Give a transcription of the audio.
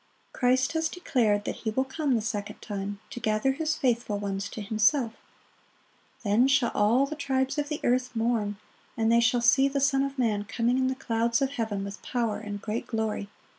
Christ has declared that He will come the second time, to gather His faithful ones to Himself: "Then shall all the tribes of the earth mourn, and they shall see the Son of man coming in the clouds of heaven with power and great glory.